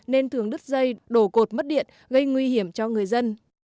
nên thường đứt dây đổ cột mất điện gây nguy hiểm cho người dân